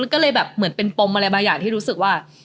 ก็เลยแบบเหมือนเป็นปมอะไรบางอย่างที่รู้สึกว่า